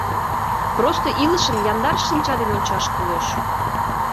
Просто илышым яндар шинча дене ончаш кӱлеш.